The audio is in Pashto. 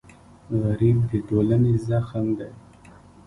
غریب د ټولنې زخم دی